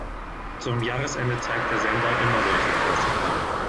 Zum Jahresende zeigt der Sender immer solche Klassiker.